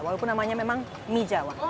walaupun namanya memang mie jawa